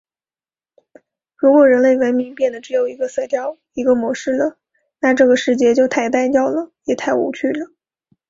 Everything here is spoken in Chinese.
如果人类文明变得只有一个色调、一个模式了，那这个世界就太单调了，也太无趣了！